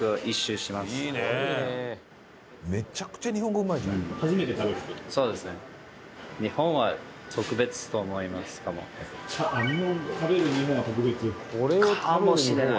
めちゃくちゃ日本語うまいじゃん。かもしれない。